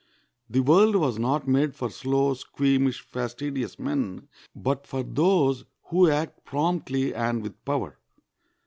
The world was not made for slow, squeamish, fastidious men, but for those who act promptly and with power.